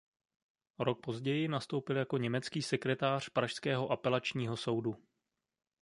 O rok později nastoupil jako německý sekretář pražského apelačního soudu.